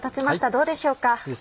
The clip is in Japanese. どうでしょうか？